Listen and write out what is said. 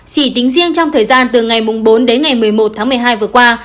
chỉ tính riêng trong thời gian từ ngày bốn đến ngày một mươi một tháng một mươi hai vừa qua